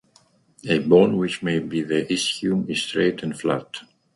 A bone which may be the ischium is straight and flat.